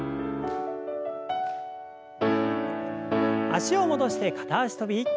脚を戻して片脚跳び。